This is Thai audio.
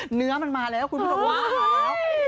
เหนือมันมาแล้วคุณพุทธพ่อ